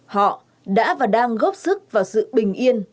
họ đã và đang góp sức vào sự bình yên